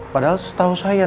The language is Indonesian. padahal setahu saya